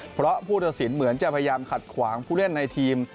เพราะผู้ตัดสินเหมือนจะพยายามขัดขวางผู้เล่นในทีม